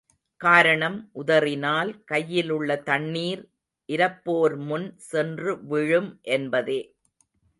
காரணம், உதறினால் கையிலுள்ள தண்ணீர் இரப்போர்முன் சென்றுவிழும் என்பதே.